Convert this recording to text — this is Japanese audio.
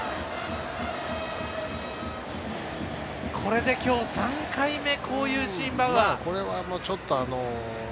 これで今日３回目こういうシーン、バウアー。